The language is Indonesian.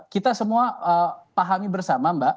kita semua pahami bersama mbak